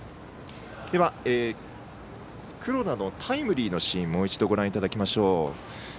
では、黒田のタイムリーのシーンもう一度ご覧いただきましょう。